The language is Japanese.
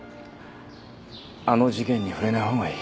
「あの事件に触れないほうがいい。